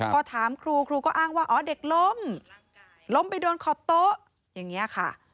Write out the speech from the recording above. พอถามครูครูก็อ้างว่าอ๋อเด็กล้มล้มไปโดนขอบโต๊ะอย่างนี้ค่ะ